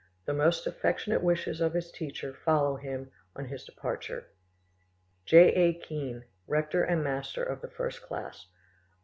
The most affectionate wishes of his teacher follow him on his departure. "J. A. KEYN, "Rector, and master of the first class.